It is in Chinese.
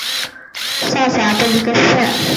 萝北县是黑龙江省鹤岗市下辖的一个县。